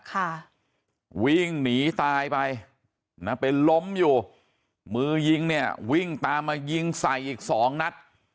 ค่ะวิ่งหนีตายไปนะเป็นล้มอยู่มือยิงเนี่ยวิ่งตามมายิงใส่อีกสองนัด